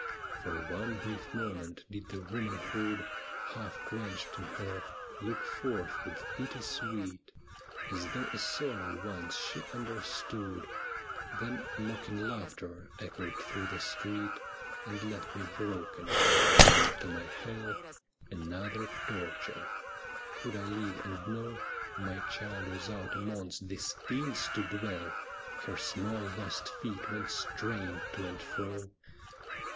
For one brief moment did the womanhood. Half quenched in her, look forth with pity sweet, As though a sorrow once she understood — Then mocking laughter echoed througli the street And left me broken, adding to my hell io8 'THE ME WITHIN THEE BLIND!' Another torture. Could I live and know My child was out amongst these fiends to dwell, Her small, lost feet went straying to and fro